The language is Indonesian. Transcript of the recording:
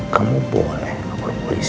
kamu boleh lapor polisi